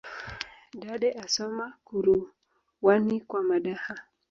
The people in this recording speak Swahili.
Dade asoma kuruwani kwa madaha